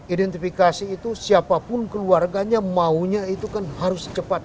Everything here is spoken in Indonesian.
identifikasi itu siapapun keluarganya maunya itu kan harus cepat